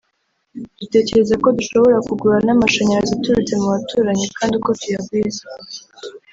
dutekereza ko dushobora kugura n’amashanyarazi aturutse mu baturanyi kandi uko tuyagwiza